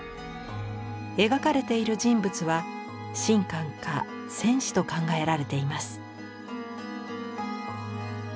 描かれている人物は神官か戦士と考えられています。